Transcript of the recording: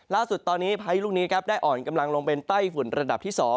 ล่าสุดตอนนี้พายุลูกนี้ครับได้อ่อนกำลังลงเป็นไต้ฝุ่นระดับที่๒